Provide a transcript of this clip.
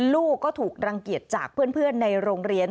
ลูกก็ถูกรังเกียจจากเพื่อนในโรงเรียน